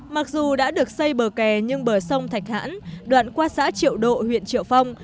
mặc dù đã được xây bờ kè nhưng bờ sông thạch hãn đoạn qua xã triệu độ huyện triệu phong